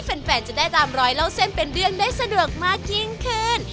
แฟนจะได้ตามรอยเล่าเส้นเป็นเรื่องได้สะดวกมากยิ่งขึ้น